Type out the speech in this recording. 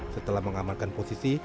setelah mengamankan posisi